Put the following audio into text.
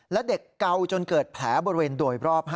และเด็กเกาจนเกิดแผลบริเวณโดยรอบ